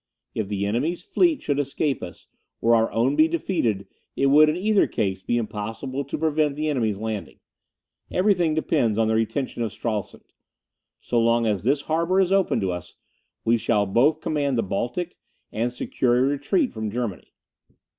If the enemy's fleet should escape us, or our own be defeated, it would, in either case, be impossible to prevent the enemy's landing. Every thing depends on the retention of Stralsund. So long as this harbour is open to us, we shall both command the Baltic, and secure a retreat from Germany.